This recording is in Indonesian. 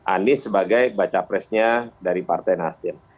anies sebagai baca presnya dari partai nasdem